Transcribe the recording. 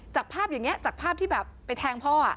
จากภาพอย่างนี้จากภาพที่แบบไปแทงพ่อ